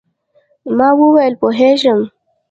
ما وویل، پوهېږم.